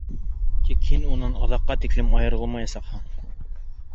Тик һин унан аҙаҡҡа тиклем айырылмаясаҡһың.